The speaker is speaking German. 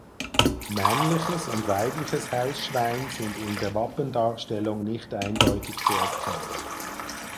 Männliches und weibliches Hausschwein sind in der Wappendarstellung nicht eindeutig zu erkennen.